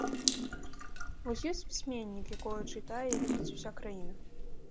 Вось ёсць пісьменнік, якога чытае і любіць уся краіна.